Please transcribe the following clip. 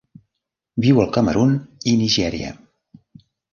Viu al Camerun i Nigèria.